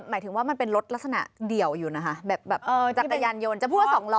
มันได้หรอเดี๋ยวมันได้หรอ